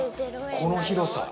この広さ。